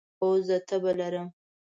هو، زه تبه لرم